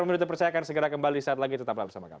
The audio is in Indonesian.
pemilu terpercayakan segera kembali saat lagi tetap bersama kami